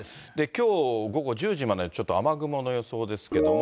きょう午後１０時までのちょっと雨雲の予想ですけれども。